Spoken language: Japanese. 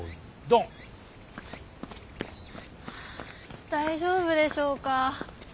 あ大丈夫でしょうか。